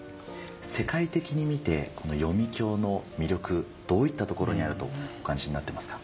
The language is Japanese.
世界的に見て読響の魅力どういったところにあるとお感じになってますか？